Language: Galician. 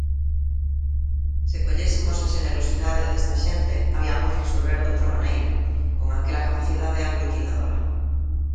Se collésemos a xenerosidade desta xente habiamos resolver doutra maneira, con aquela capacidade aglutinadora.